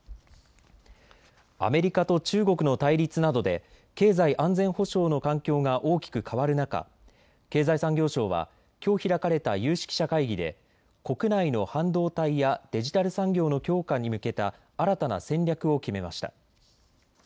アメリカと中国の対立などで経済安全保障の環境が大きく変わる中、経済産業省はきょう開かれた有識者会議で国内の半導体やデジタル産業の強化に向けた新たな戦略を決めました。